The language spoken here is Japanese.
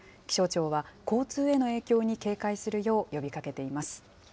気象庁は交通への影響に警戒するよう呼びかけています。